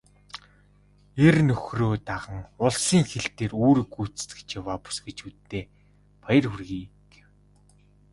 "Эр нөхрөө даган улсын хил дээр үүрэг гүйцэтгэж яваа бүсгүйчүүддээ баяр хүргэе" гэв.